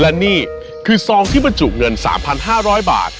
และนี่คือซองที่บรรจุเงิน๓๕๐๐บาท